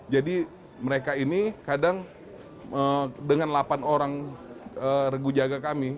jadi mereka ini kadang dengan delapan orang regu jaga kami